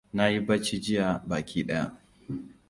Na yi bacci jiya baki ɗaya.